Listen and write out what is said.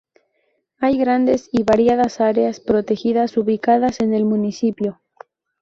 Hay grandes y variadas áreas protegidas ubicadas en el municipio.